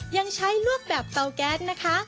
ยังใช้ลวกแบบเตาแก๊สนะคะ